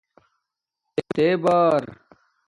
تے بار